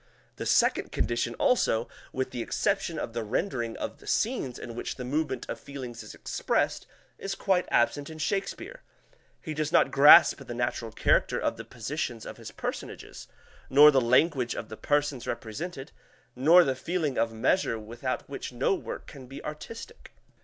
The second condition also, with the exception of the rendering of the scenes in which the movement of feelings is expressed, is quite absent in Shakespeare. He does not grasp the natural character of the positions of his personages, nor the language of the persons represented, nor the feeling of measure without which no work can be artistic.